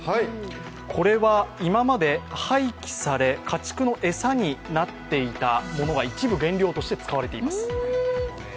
これは今まで廃棄され、家畜の餌になっていたものが一部原料として使われています。